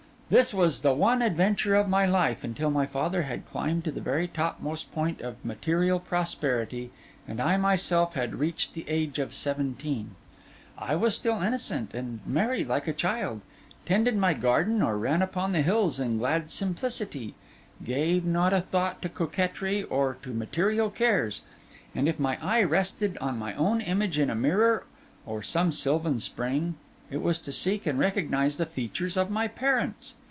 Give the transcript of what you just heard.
This was the one adventure of my life, until my father had climbed to the very topmost point of material prosperity, and I myself had reached the age of seventeen. I was still innocent and merry like a child; tended my garden or ran upon the hills in glad simplicity; gave not a thought to coquetry or to material cares; and if my eye rested on my own image in a mirror or some sylvan spring, it was to seek and recognise the features of my parents.